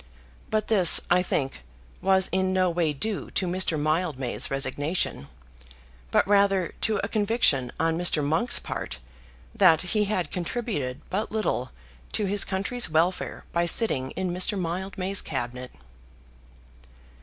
But this, I think, was in no way due to Mr. Mildmay's resignation, but rather to a conviction on Mr. Monk's part that that he had contributed but little to his country's welfare by sitting in Mr. Mildmay's Cabinet.